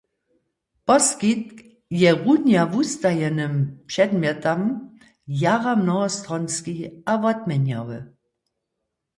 Poskitk je runja wustajenym předmjetam jara mnohostronski a wotměnjawy.